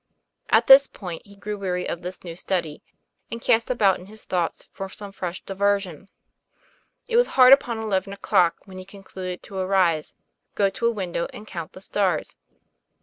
At this point he grew weary of this new study, and cast about in his thoughts for some fresh diversion. It was hard upon eleven o'clock, when he concluded to arise, go to a window, and count the stars.